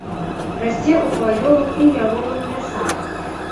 Расце ў хваёвых і яловых лясах.